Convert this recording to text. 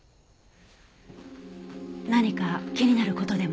何か気になる事でも？